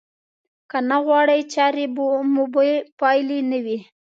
که نه غواړئ چارې مو بې پايلې نه وي.